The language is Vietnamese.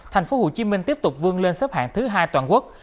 thành phố hồ chí minh tiếp tục vương lên xếp hạng thứ hai toàn quốc